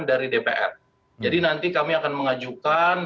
dari dpr jadi nanti kami akan mengajukan